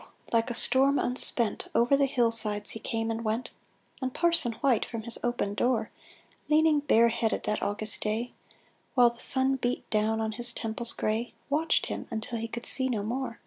Like a storm unspent, Over the hill sides he came and went ; And Parson White, from his open door Leaning bareheaded that August day, While the sun beat down on his temples gray, Watched him until he could see no more.